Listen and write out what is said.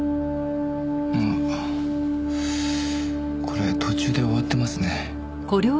これ途中で終わってますね。